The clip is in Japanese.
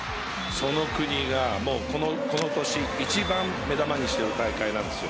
その国がこの年、一番目玉にしている大会なんですよ。